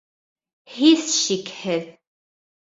Һис шикһеҙ!